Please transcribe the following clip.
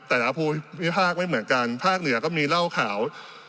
แต่ละภูมิภาคไม่เหมือนกันภาคเหนือก็มีเหล้าขาว